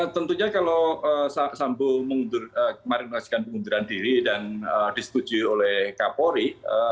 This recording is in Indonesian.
tentunya kalau sambo mengundur kemarin mengundurkan diri dan disetujui oleh kapolri